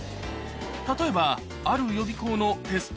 例えばある予備校のテスト終わり